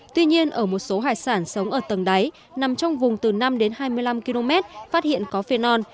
tuy nhiên ở một số hải sản sống ở tầng đáy nằm trong vùng từ năm đến hai mươi năm km phát hiện có phenol